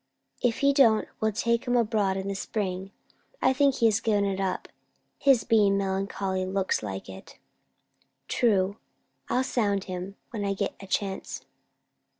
If he don't, we'll take him abroad in the spring. I think he has given it up. His being melancholy looks like it." "True. I'll sound him when I get a chance."